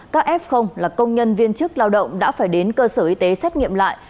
các f là công nhân viên chức lao động đã phải đến cơ sở y tế xét nghiệm lại